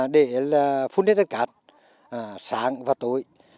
để phun đến đất cát sáng và tuổi